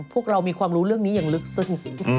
พวกเรามีความรู้เรื่องนี้อย่างลึกซึ้ง